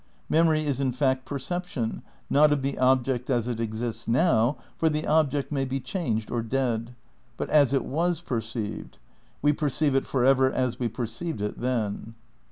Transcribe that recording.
Memory is, in fact, perception, not of the object as it exists now (for the object may be changed or dead) but as it was perceived. We perceive it for ever as we perceived it then.